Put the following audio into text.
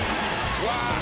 うわ！